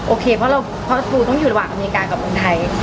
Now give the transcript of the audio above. โอเคเพราะปูต้องอยู่ระหว่างอเมริกากับเมืองไทย